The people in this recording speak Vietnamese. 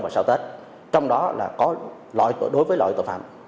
và trong người các đối tượng